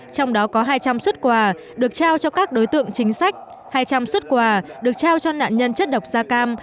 trong đó có hai trăm linh xuất quà được trao cho các đối tượng chính sách hai trăm linh xuất quà được trao cho nạn nhân chất độc da cam